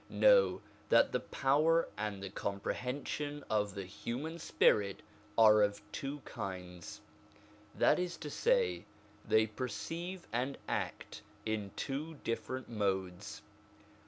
Know that the power and the comprehension of the human spirit are of two kinds : that is to say, they perceive and act in two different modes.